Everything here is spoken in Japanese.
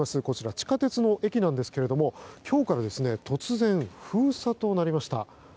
こちら地下鉄の駅なんですけども今日から突然、封鎖となりました。